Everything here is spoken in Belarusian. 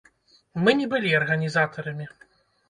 Мы не былі арганізатарамі.